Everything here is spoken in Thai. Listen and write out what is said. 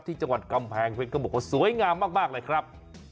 ที่จังหวัดกำแพงเพฟกระโยชน์สวยงามมากเลยครับ